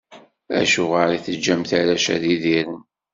Acuɣer i teǧǧamt arrac ad idiren?